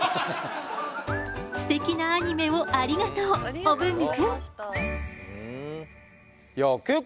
すてきなアニメをありがとうお文具くん。